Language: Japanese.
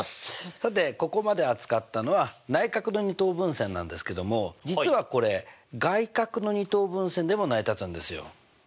さてここまで扱ったのは内角の二等分線なんですけども実はこれ外角の二等分線でも成り立つんですよ。